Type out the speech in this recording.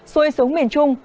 xui xuống miền trung